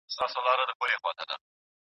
ټولنيز قوانين بايد د عدالت پر بنسټ وي.